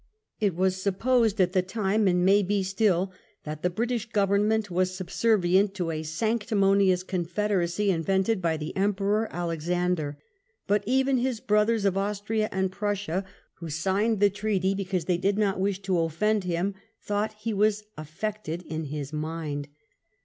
It was supposed at the time, and may be still, that the British Government was subservient to a sanctimonious confederacy invented by the Emperor Alexander. But even his brothers of Austria and Prussia, who signed the X THE VERONA CONGRESS' 231 treaty because they did not wish to offend him, thought he was "affected in his mind."